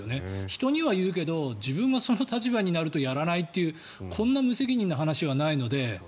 人には言うけど自分がその立場になるとやらないっていうこんな無責任な話はないので。